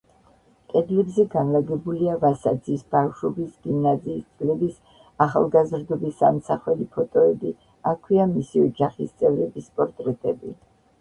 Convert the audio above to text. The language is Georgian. კედლებზე განლაგებულია ვასაძის ბავშვობის, გიმნაზიის წლების, ახალგაზრდობის ამსახველი ფოტოები, აქვეა მისი ოჯახის წევრების პორტრეტები.